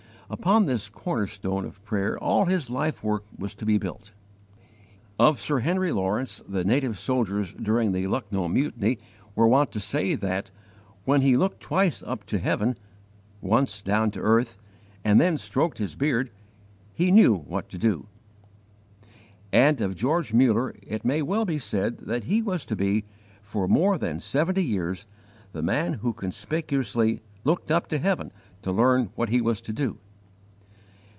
Upon this corner stone of prayer all his life work was to be built. Of Sir Henry Lawrence the native soldiers during the Lucknow mutiny were wont to say that, "when he looked twice up to heaven, once down to earth, and then stroked his beard, he knew what to do." And of George Muller it may well be said that he was to be, for more than seventy years, the man who conspicuously looked up to heaven to learn what he was to do.